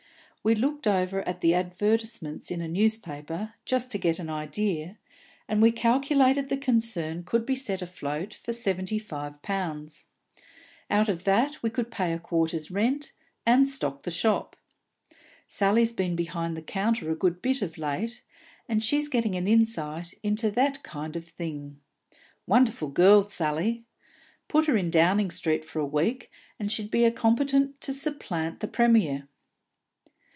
We looked over the advertisements in a newspaper, just to get an idea, and we calculated the concern could be set afloat for seventy five pounds. Out of that we could pay a quarter's rent, and stock the shop. Sally's been behind the counter a good bit of late, and she's getting an insight into that kind of thing. Wonderful girl, Sally! Put her in Downing Street for a week, and she'd be competent to supplant the Premier!"